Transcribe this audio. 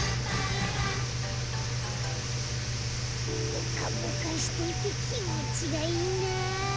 ぽかぽかしていてきもちがいいな。